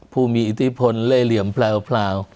ผู้มีอิทธิพลเล่เหลี่ยมแพลว